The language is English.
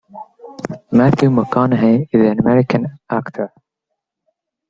Matthew McConaughey is an American actor.